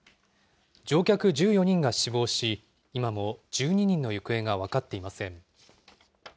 乗客１４人が死亡し、今も１２人の行方が分かっていません。